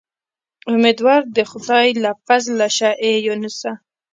امیدوار د خدای له فضله شه اې یونسه.